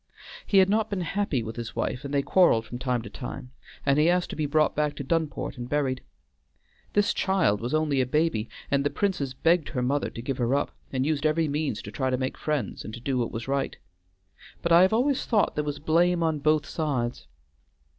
He had not been happy with his wife, and they quarreled from time to time, and he asked to be brought back to Dunport and buried. This child was only a baby, and the Princes begged her mother to give her up, and used every means to try to make friends, and to do what was right. But I have always thought there was blame on both sides.